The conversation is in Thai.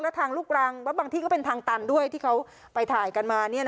แล้วทางลูกรังแล้วบางที่ก็เป็นทางตันด้วยที่เขาไปถ่ายกันมา